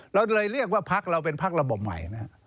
เราเลยเรียกว่าพักเราเป็นพักระบบใหม่นะครับ